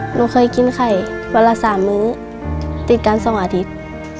หนูเคยกินไข่วันละ๓มื้อติดกัน๒อาทิตย์